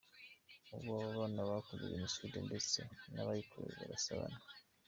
Ubu, abana b’abakoze Jenocide ndetse n’abayikorewe barasabana.